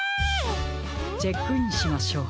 チェックインしましょう。